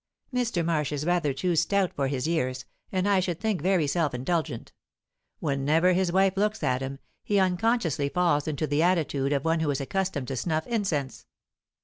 Mr. Marsh is rather too stout for his years, and I should think very self indulgent; whenever his wife looks at him, he unconsciously falls into the attitude of one who is accustomed to snuff incense.